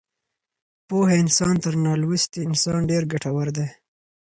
پوه انسان تر نالوستي انسان ډېر ګټور دی.